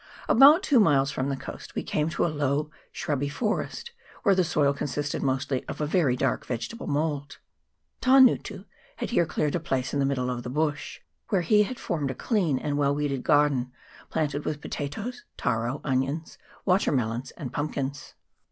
About two miles from the coast we came into a low shrubby forest, where the soil consisted mostly of a very dark vegetable mould. Tangutu had here cleared a place in the middle of the bush, where he had formed a clean and well weeded garden, planted with potatoes, taro, onions, water melons, and pumpkins.